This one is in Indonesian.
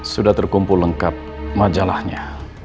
sudah terkumpul lengkap majalahnya